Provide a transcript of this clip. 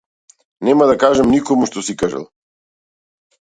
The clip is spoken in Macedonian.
Нема да кажам никому што си кажал.